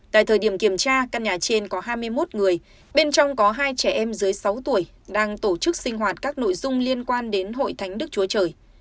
tại thời điểm kiểm tra căn nhà trên có hai mươi một người bên trong có hai trẻ em dưới sáu tuổi đang tổ chức sinh hoạt các nội dung liên quan đến hội thánh đức chúa trời